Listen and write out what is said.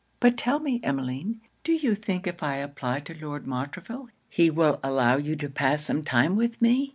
But tell me, Emmeline, do you think if I apply to Lord Montreville he will allow you to pass some time with me?'